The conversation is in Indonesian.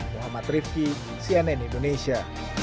muhammad rifqi cnn indonesia